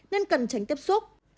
nên cần tránh tiếp xúc